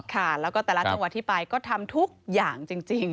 ค่ะแล้วก็แต่ละจังหวัดที่ไปก็ทำทุกอย่างจริง